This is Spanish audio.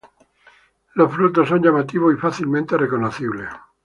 Los frutos son llamativos y fácilmente reconocibles.